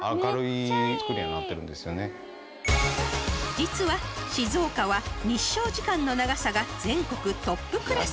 ［実は静岡は日照時間の長さが全国トップクラス］